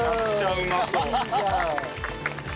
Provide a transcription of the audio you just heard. うまそう。